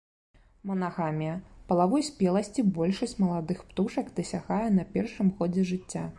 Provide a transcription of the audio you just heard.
Манагамія, палавой спеласці большасць маладых птушак дасягае на першым годзе жыцця.